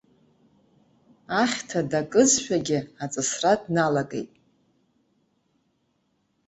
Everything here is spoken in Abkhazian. Ахьҭа дакызшәагьы аҵысра дналагеит.